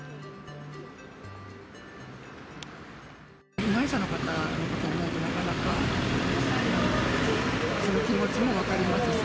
被害者の方のことを思うと、なかなかその気持ちも分かりますし。